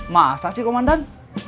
masa sih komandan